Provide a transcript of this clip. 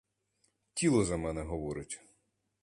Тіло за мене говорить.